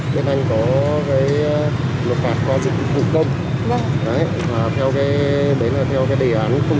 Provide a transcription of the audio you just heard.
nói chung là lục phạt qua dịch vụ công theo đề án sáu